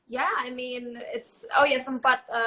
ya i mean it's oh ya sempat